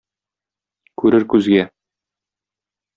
Күрер күзгә.